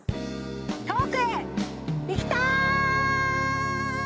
遠くへ行きたい！